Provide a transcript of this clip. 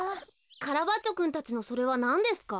カラバッチョくんたちのそれはなんですか？